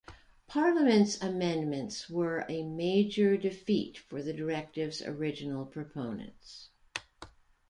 Parliament's amendments were a major defeat for the directive's original proponents.